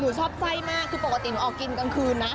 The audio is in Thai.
ชอบไส้มากคือปกติหนูออกกินกลางคืนนะ